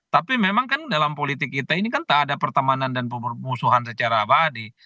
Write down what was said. tapi memang kan dalam politik kita ini kan tak ada pertemanan dan pemusuhan secara abadi